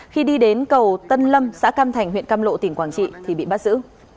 khi đi đến cầu tân lâm xã cam thành huyện cam lộ tỉnh quảng trị thì bị bắt giữ